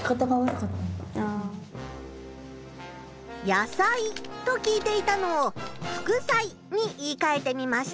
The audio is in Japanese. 「野菜」と聞いていたのを「副菜」に言いかえてみました。